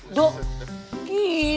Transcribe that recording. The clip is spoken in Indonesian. udah nggak apa apa nih